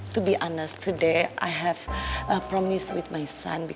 sejujurnya hari ini saya ada janji sama anak gue